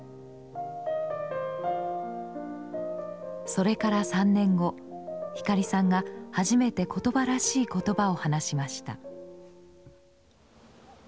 それから３年後光さんが初めて言葉らしい言葉を話しました。